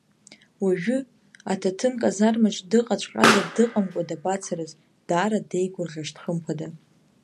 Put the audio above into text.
Уажәы аҭаҭынказармаҿ дыҟаҵәҟьазар дыҟамкәа дабацарыз даара деигәырӷьашт хымԥада.